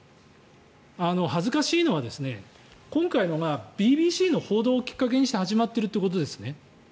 恥ずかしいのは今回のがＢＢＣの報道をきっかけにして始まってるということですね。